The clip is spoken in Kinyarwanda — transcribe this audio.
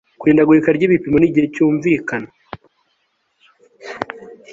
ku ihindagurika ry ibipimo n igihe cyumvikana